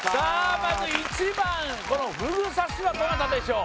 まず１番このふぐ刺はどなたでしょう？